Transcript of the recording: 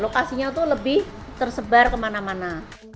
lokasinya itu lebih tersebar kemana mana